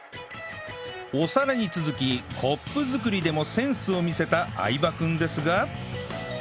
お皿に続きコップ作りでもセンスを見せた相葉君ですが